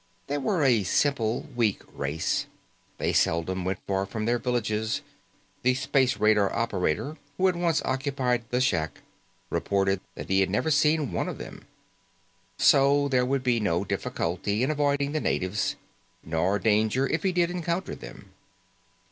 They were a simple, weak race. They seldom went far from their villages; the space radar operator who had once occupied the shack reported that he had never seen one of them. So, there would be no difficulty in avoiding the natives, nor danger if he did encounter them.